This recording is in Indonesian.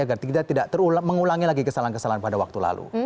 agar tidak mengulangi lagi kesalahan kesalahan pada waktu lalu